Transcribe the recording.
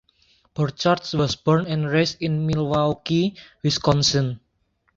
Borchardt was born and raised in Milwaukee, Wisconsin.